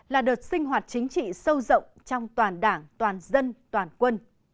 là đợt sinh hoạt chính trị sâu rộng trong toàn đảng toàn dân toàn quân